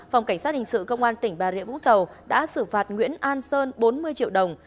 phòng cảnh sát hình sự công an tỉnh bà rịa vũng tàu đã xử phạt nguyễn an sơn bốn mươi triệu đồng